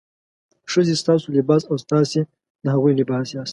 ښځې ستاسو لباس او تاسې د هغوی لباس یاست.